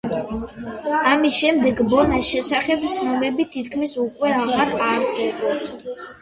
ამის შემდეგ, ბონას შესახებ ცნობები თითქმის უკვე აღარ არსებობს.